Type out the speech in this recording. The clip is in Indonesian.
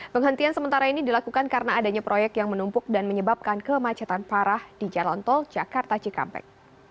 penghentian sementara ini dilakukan karena adanya proyek yang menumpuk dan menyebabkan kemacetan parah di jalan tol jakarta cikampek